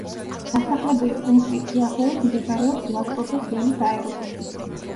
დასახლებული პუნქტის სიახლოვეს მდებარეობს ლატრობეს ველის აეროპორტი.